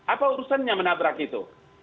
apa urusannya menabrak itu